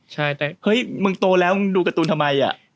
ใช่แต่เฮ้ยมึงโตแล้วมึงดูการ์ตูนทำไม